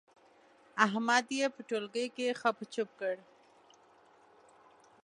احمد يې په ټولګي کې خپ و چپ کړ.